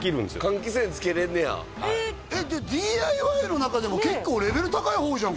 換気扇付けれんねやえっＤＩＹの中でも結構レベル高い方じゃん